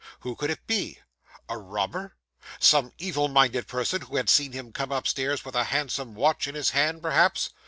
Who could it be? A robber? Some evil minded person who had seen him come upstairs with a handsome watch in his hand, perhaps.